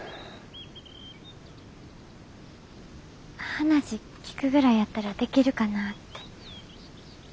話聞くぐらいやったらできるかなって。